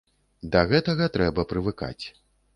Да гэтага трэба прывыкаць.